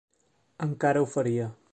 Encara ho faria.